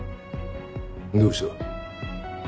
どうした？